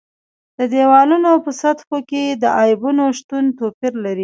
د دېوالونو په سطحو کې د عیبونو شتون توپیر لري.